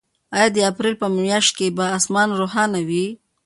آیا د اپریل په میاشت کې به اسمان روښانه وي؟